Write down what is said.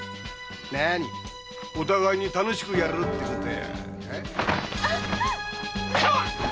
お互いに楽しくやろうってことよ。